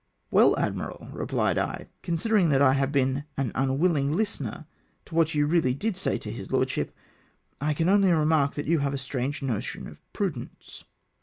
" Well, admkal," rephed I, " considering that I have been an unwilhng listener to what you really did say to his lordship, I can only remark that you have a strange notion of prudence."